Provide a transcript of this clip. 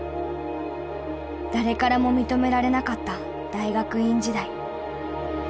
誰からも認められなかった大学院時代。